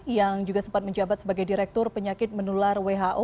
yang juga sempat menjabat sebagai direktur penyakit menular who